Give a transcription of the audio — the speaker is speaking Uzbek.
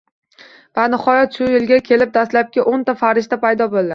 Va nihoyat, shu yilga kelib dastlabki o‘nta farishta paydo bo‘ladi.